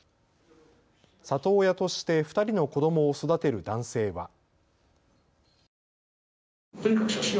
里親として２人の子どもを育てる男性は。